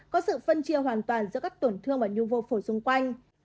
có sự phân chia hoàn toàn giữa các tổn thương và nhu vô phổi xung quanh